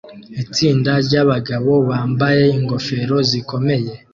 Itsinda ryabagabo bambaye ingofero zikomeye